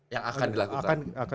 yang akan dilakukan